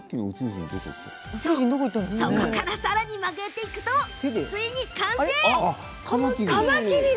そこから、さらに曲げていくとついに完成。